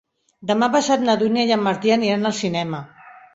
Demà passat na Dúnia i en Martí aniran al cinema.